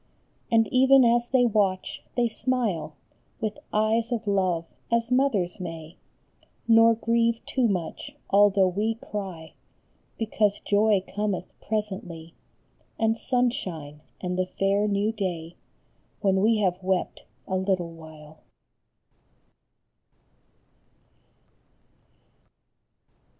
And even as they watch, they smile, With eyes of love, as mothers may, Nor grieve too much although we cry, Because joy cometh presently, And sunshine, and the fair new day, When we have wept a little while.